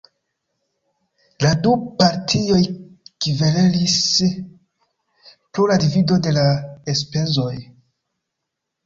La du partioj kverelis pro la divido de la enspezoj.